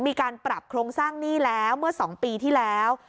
มีการปรับโครงสร้างหนี้แล้วเมื่อ๒ปีที่แล้ว